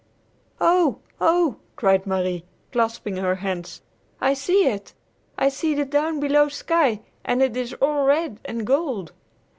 "Oh! Oh!" cried Marie, clasping her hands; "I see it! I see the down below sky, and it is all red and gold!"